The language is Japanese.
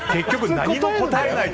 何で答えないの？